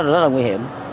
rất là nguy hiểm